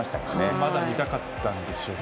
まだ見たかったんでしょうね。